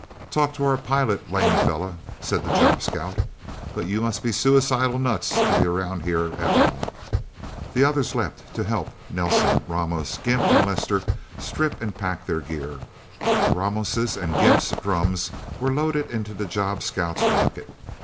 "Talk to our pilot, Lame Fella," said the job scout. "But you must be suicidal nuts to be around here at all." The others leapt to help Nelsen, Ramos, Gimp and Lester strip and pack their gear. Ramos' and Gimp's drums were loaded into the job scout's rocket.